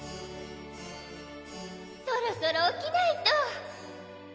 そろそろおきないと。